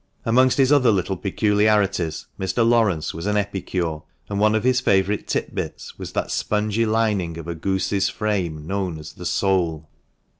Amongst his other little peculiarities Mr. Laurence was an epicure, and one of his favourite tit bits was that spongy lining of a goose's frame known as the soul.